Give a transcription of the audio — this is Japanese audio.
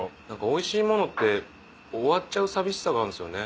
おいしいものって終わっちゃう寂しさがあるんですよね。